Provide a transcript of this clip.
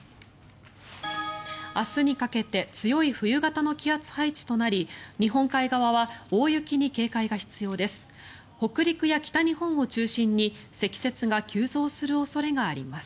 明日にかけて強い冬型の気圧配置となり日本海側は大雪に警戒が必要です。